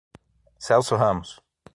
Celso Ramos